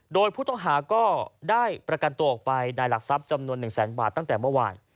โดยผู้ต้องหาก็ได้ประกันตัวออกไปในหลักทรัพย์จำนวน๑แสนบาทตั้งแต่เมื่อวาน